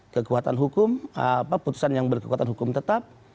kekuatan hukum putusan yang berkekuatan hukum tetap